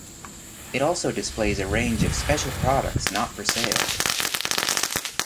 It also displays a range of special products not for sale.